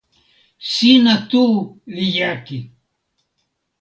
sina tu li jaki!